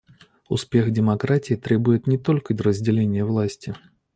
Успех демократии требует не только разделения власти.